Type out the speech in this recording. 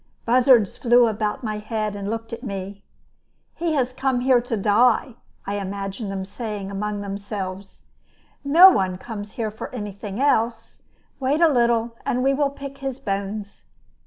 Buzzards flew about my head, and looked at me. "He has come here to die," I imagined them saying among themselves. "No one comes here for anything else. Wait a little, and we will pick his bones."